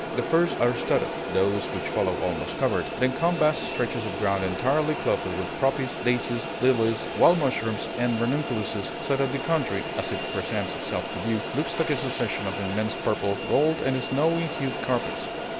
The first are studded, those which follow almost covered, then come vast stretches of ground entirely clothed with poppies, daisies, lilies, wild mushrooms, and ranunculuses, so that the country (as it presents itself to view) looks like a succession of immense purple, gold, and snowy hued carpets.